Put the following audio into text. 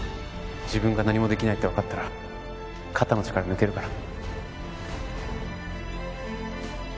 自分が何も出来ないってわかったら肩の力抜けるから。